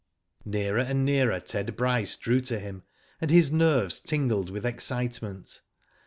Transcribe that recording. Nearer and nearer Ted Bryce drew to him, and his nerves tingled with excitement.